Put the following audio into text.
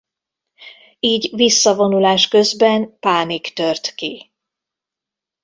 Így visszavonulás közben pánik tört ki.